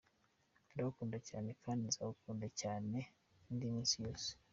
Ndagukunda cyane kandi nzagukunda cyane indi minsi yose.